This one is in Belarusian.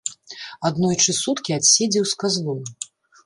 Аднойчы суткі адседзеў з казлом.